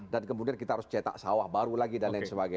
dan kemudian kita harus cetak sawah baru lagi dan lain sebagainya